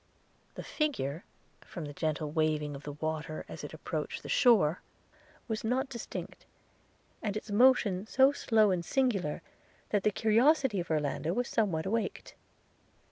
– The figure, from the gentle waving of the water as it approached the shore, was not distinct; and its motion so slow and singular, that the curiosity of Orlando was somewhat awaked.